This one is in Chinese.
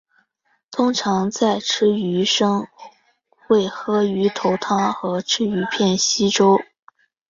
通常在吃鱼生会喝鱼头汤和吃鱼片稀粥。